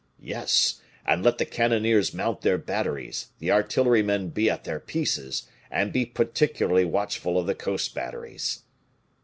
"Yes, and let the cannoniers mount their batteries, the artillerymen be at their pieces, and be particularly watchful of the coast batteries."